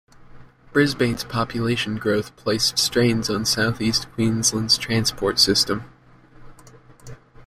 Brisbane's population growth placed strains on South East Queensland's transport system.